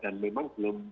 dan memang belum